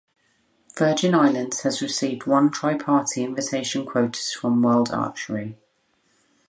Virgin Islands has received one tripartite invitation quotas from World Archery.